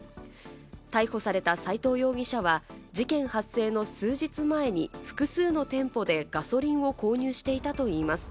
逮捕された斎藤容疑者は事件発生の数日前に複数の店舗でガソリンを購入していたといいます。